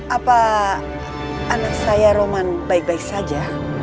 apa anak saya roman baik baik saja